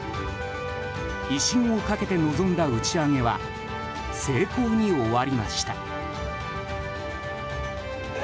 威信をかけて臨んだ打ち上げは成功に終わりました。